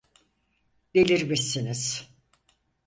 Delirmişsiniz.